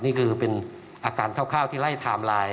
นี่คือเป็นอาการเท่าที่ไล่ทำลาย